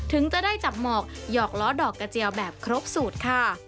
ถึงจะได้จับหมอกหยอกล้อดอกกระเจียวแบบครบสูตรค่ะ